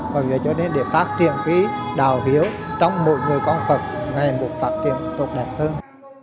và vì vậy cho nên để phát triển cái đào hiếu trong mỗi người con phật ngày một phát triển tốt đẹp hơn